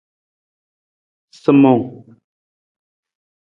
Sa ng mang?